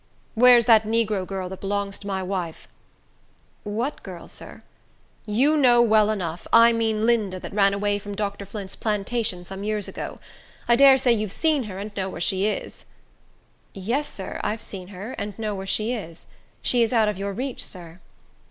"Where's that negro girl, that belongs to my wife?" "What girl, sir?" "You know well enough. I mean Linda, that ran away from Dr. Flint's plantation, some years ago. I dare say you've seen her, and know where she is." "Yes, sir, I've seen her, and know where she is. She is out of your reach, sir."